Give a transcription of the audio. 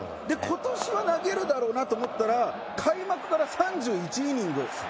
今年は投げるだろうなと思ったら開幕から３１イニング連続無失点。